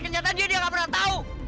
kenyataan dia dia gak pernah tau